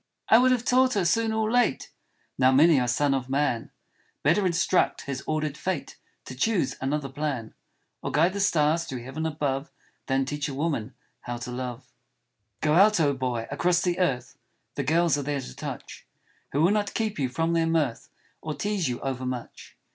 "I would have taught her soon or late.'* Now many a son of man Better instruct his ordered fate To choose another plan, Or guide the stars through heaven above, Than teach a woman how to love. 85 THE UNSUCCESSFUL LOVER Go out, oh, boy, across the earth ; The girls are there to touch, Who will not keep you from their mirth Or tease you overmuch.